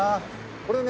これね